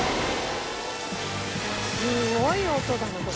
「すごい音だねこれ」